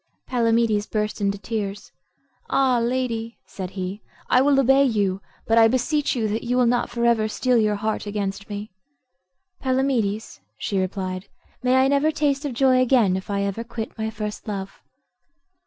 Palamedes burst into tears. "Ah, lady," said he, "I will obey you; but I beseech you that you will not for ever steel your heart against me." "Palamedes," she replied, "may I never taste of joy again if I ever quit my first love."